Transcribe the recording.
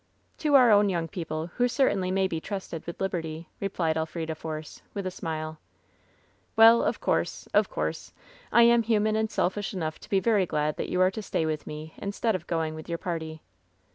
^' "To our own young people, who certainly may be trusted with liberty,^' replied Elfrida Force, with a smile. "Well, of course — of course. I am human and selfish enough to be very glad that you are to stay with me in stead of going with your party.'